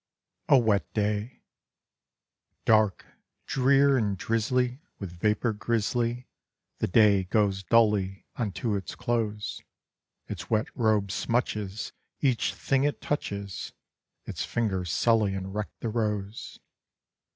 A WET DAY Dark, drear, and drizzly, with vapor grizzly, The day goes dully unto its close; Its wet robe smutches each thing it touches, Its fingers sully and wreck the rose.